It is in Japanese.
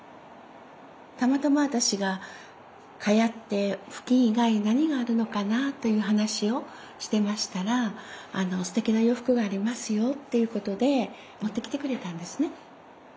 たまたま私が「蚊帳って布巾以外に何があるのかな」という話をしてましたら「すてきな洋服がありますよ」っていうことで持ってきてくれたんですね。